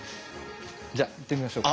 じゃあ行ってみましょうか。